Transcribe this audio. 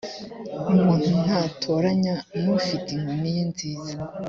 umuntu nzatoranya nufite inkoni ye nziza